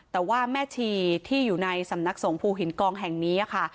แต่ว่าแม่ชี่ชาวบ้านที่อยู่ในสำนักสรองภูษฎีหินกองแห่งนี้นะคะ